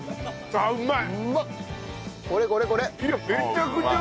あうまい。